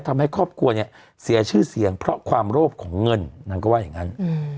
ทำให้ครอบครัวเนี่ยเสียชื่อเสียงเพราะความโลภของเงินนางก็ว่าอย่างนั้น